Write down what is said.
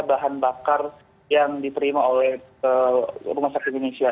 bahan bakar yang diterima oleh rumah sakit indonesia